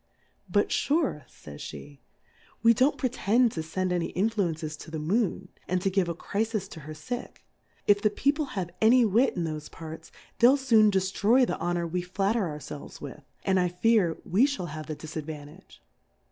But iuvc^ fays pt^ we don't pretend to fend any Influences to the Moon, and to give a Crifis to her Sick ; if the People have any Wit in thofe Parts, they'll foon deftroy the Honour we flatter our felves with, and I fear, we fliall have the Diladvantage.